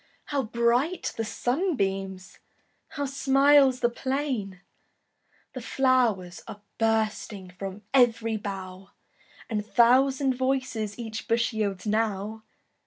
How bright the sunbeams! How smiles the plain! The flow'rs are bursting From ev'ry bough, And thousand voices Each bush yields now.